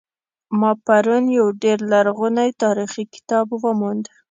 ما پرون یو ډیر لرغنۍتاریخي کتاب وموند